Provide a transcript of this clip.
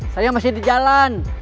saya masih di jalan